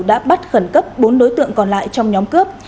đã bắt khẩn cấp bốn đối tượng còn lại trong nhóm cướp